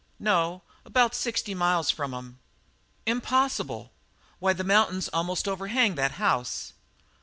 "No, about sixty miles from 'em." "Impossible! Why, the mountains almost overhang that house."